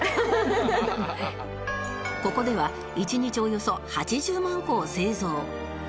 ここでは１日およそ８０万個を製造